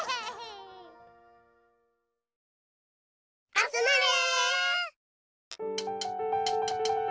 あつまれ。